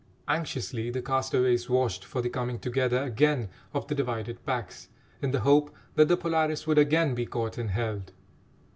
Anxiously the castaways watched for the coming together again of the divided packs, in the hope that the Polaris would again be caught and held.